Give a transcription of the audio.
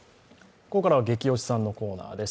ここからは「ゲキ推しさん」のコーナーです。